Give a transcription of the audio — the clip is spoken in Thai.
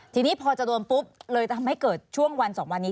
ทีนี้พอจะโดนปุ๊บเลยทำให้เกิดช่วงวัน๒วันนี้